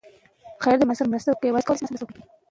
که سخاوت وي نو ملګری نه کمیږي.